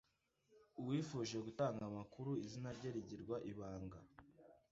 uwifuje gutanga amakuru, izina rye rikagirwa ibanga